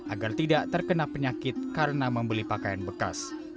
agar tidak terkena penyakit karena membeli pakaian bekas